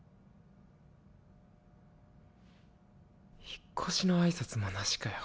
引っ越しの挨拶も無しかよ。